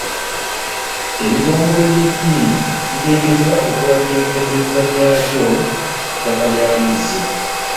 Ebitongole by'eddiini biteekeddwa okulaga ebigendererwa byabyo ku ttaka lya liizi.